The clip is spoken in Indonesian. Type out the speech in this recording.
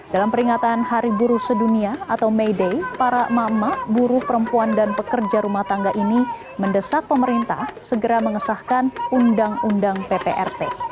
dalam peringatan hari buruh sedunia atau may day para emak emak buruh perempuan dan pekerja rumah tangga ini mendesak pemerintah segera mengesahkan undang undang pprt